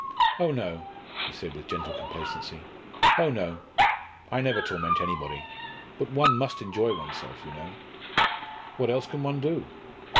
"Oh no!" he said with gentle complacency. "Oh no! I never torment anybody. But one must enjoy oneself you know; what else can one do?